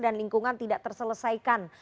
dan lingkungan tidak terselesaikan